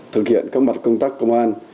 thực hiện các mặt công tác công an